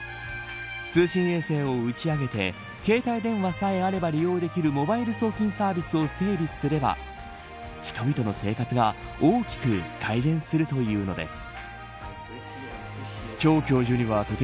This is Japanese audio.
通信衛星を打ち上げて携帯電話さえあれば利用できるモバイル送金サービスを整備すれば人々の生活が大きく改善するというのです。